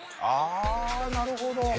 ああなるほど。